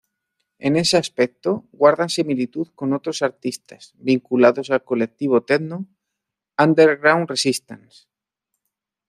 En ese aspecto guardan similitud con otros artistas vinculados al colectivo techno Underground Resistance.